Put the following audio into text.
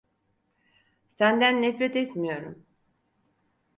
Senden nefret etmiyorum.